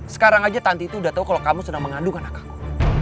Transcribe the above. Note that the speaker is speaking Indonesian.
sekarang aja tanti itu udah tau kalo kamu sedang mengandung anak aku